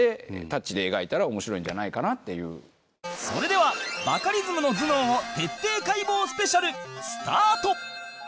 それではバカリズムの頭脳を徹底解剖スペシャルスタート